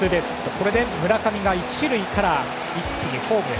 これで村上が一塁から一気にホームへ。